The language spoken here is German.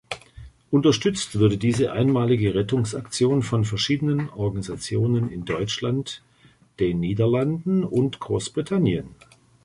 Unterstützt wurde diese einmalige Rettungsaktion von verschiedenen Organisationen in Deutschland, den Niederlanden und Großbritannien.